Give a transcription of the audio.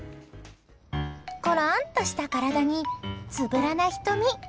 ころんとした体につぶらな瞳。